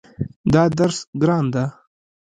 دا درس ګران ده